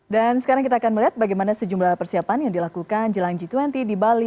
dan sekarang kita akan melihat bagaimana sejumlah persiapan yang dilakukan jelang g dua puluh di bali